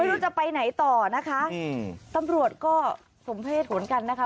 ไม่รู้จะไปไหนต่อนะคะอืมตำรวจก็สมเพศเหมือนกันนะคะ